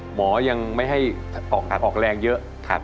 หมอยังไม่ให้ออกแรงเยอะ